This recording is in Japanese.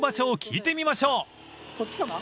こっちかな？